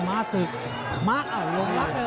หญิงภารณ์มาสุก